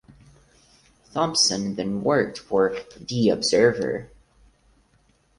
Thompson then worked for "The Observer".